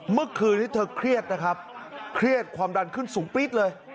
เมื่อคืนนี้เธอเครียดนะครับเครียดความดันขึ้นสูงปี๊ดเลย